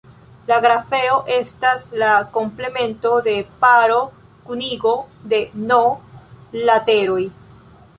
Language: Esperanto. La grafeo estas la komplemento de paro-kunigo de "n" lateroj.